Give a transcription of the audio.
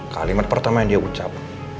kalimat pertama yang dia ucap